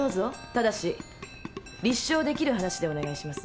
ただし立証できる話でお願いします。